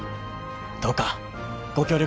どうかご協力